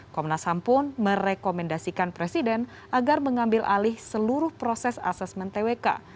komnas ham pun merekomendasikan presiden agar mengambil alih seluruh proses asesmen twk